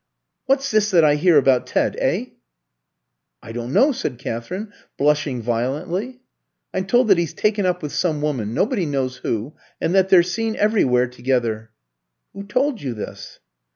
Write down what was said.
"What's this that I hear about Ted, eh?" "I don't know," said Katherine, blushing violently. "I'm told that he's taken up with some woman, nobody knows who, and that they're seen everywhere together " "'Who told you this?"